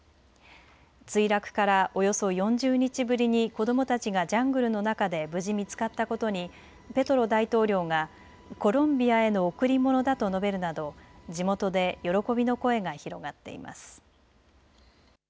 墜落からおよそ４０日ぶりに子どもたちがジャングルの中で無事見つかったことにペトロ大統領がコロンビアへの贈り物だと述べるなど地元で喜びの声が広がっています。